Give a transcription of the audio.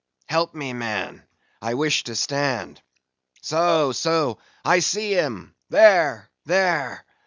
—Help me, man; I wish to stand. So, so, I see him! there! there!